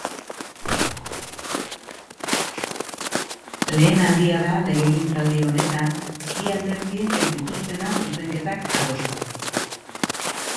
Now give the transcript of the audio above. Lehen aldia da legintzaldi honetan bi alderdiek ez dituztena zuzenketak adostu.